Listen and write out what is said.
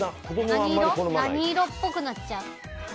何色っぽくなっちゃう？